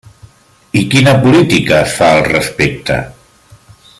I quina política es fa al respecte?